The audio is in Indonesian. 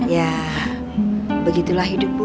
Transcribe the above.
ya begitulah hidup bu